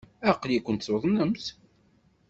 Aql-ikent tuḍnemt!